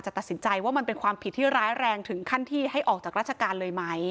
ตัดสินใจว่ามันเป็นความผิดที่ร้ายแรงถึงขั้นที่ให้ออกจากราชการเลยไหม